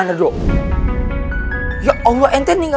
ini kok mohon kan paradjen ya